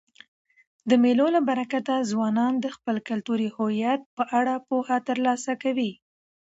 د مېلو له برکته ځوانان د خپل کلتوري هویت په اړه پوهه ترلاسه کوي.